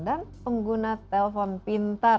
dan pengguna telpon pintar